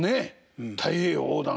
太平洋横断。